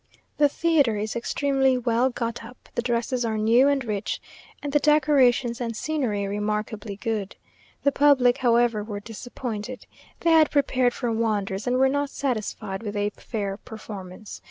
The theatre is extremely well got up, the dresses are new and rich, and the decorations and scenery remarkably good. The public, however, were disappointed. They had prepared for wonders, and were not satisfied with a fair performance.